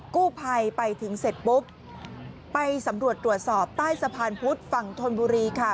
กู้ภัยไปถึงเสร็จปุ๊บไปสำรวจตรวจสอบใต้สะพานพุทธฝั่งธนบุรีค่ะ